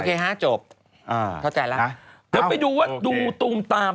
โอเคฮะจบโทษใจแล้วเดี๋ยวไปดูว่าดูตูมตาม